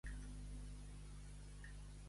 Al que et frega el cul dona-li les claus del baül.